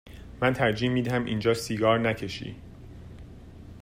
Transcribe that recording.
من ترجیح می دهم اینجا سیگار نکشی.